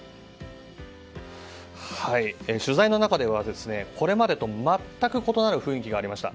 取材の中ではこれまでと全く変わった雰囲気がありました。